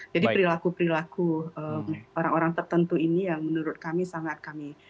jadi perilaku perilaku orang orang tertentu ini yang menurut kami sangat kami